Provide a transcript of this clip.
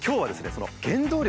その原動力